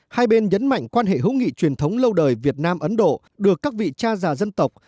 hai bên nhấn mạnh quan hệ hữu nghị truyền thống lâu đời việt nam ấn độ được các vị cha già dân tộc